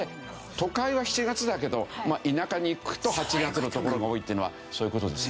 都会は７月だけど田舎に行くと８月の所が多いっていうのはそういう事です。